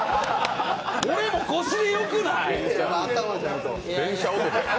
俺も腰でよくない！？